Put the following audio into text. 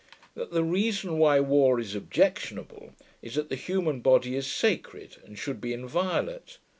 That the reason why war is objectionable is that the human body is sacred and should be inviolate.